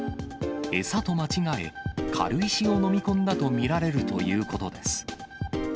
餌と間違え、軽石を飲み込んだと見られるということです。